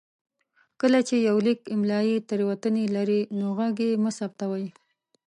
کله چې يو ليک املايي تېروتنې لري نو غږ يې مه ثبتوئ.